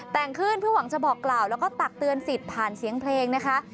แต่งขึ้นเพื่อหวังจะบอกกล่าวแล้วก็ตักเตือนสิทธิ์ผ่านเสียงเพลงนะคะ